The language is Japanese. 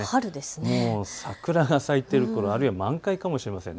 もう桜が咲いているころ、あるいは満開かもしれません。